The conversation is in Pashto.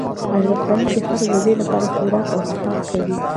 ارزښت لرونکي خلک ددې لپاره خوراک او څښاک کوي.